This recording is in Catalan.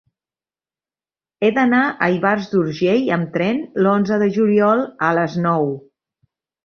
He d'anar a Ivars d'Urgell amb tren l'onze de juliol a les nou.